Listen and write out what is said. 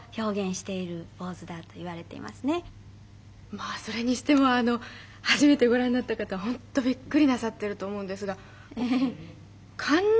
まあそれにしても初めてご覧になった方ホントびっくりなさってると思うんですが。